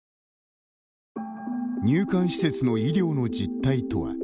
入管施設の医療の実態とは。